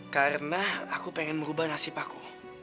karena aku pengen merubah nasib aku